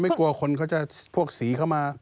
กลัวคนเขาจะพวกสีเข้ามา